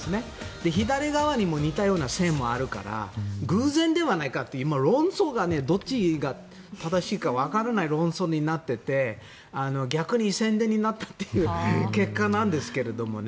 左側にも似たような線もあるから偶然ではないかってどっちが正しいかわからない論争になっていて逆に宣伝になったという結果なんですけれどもね。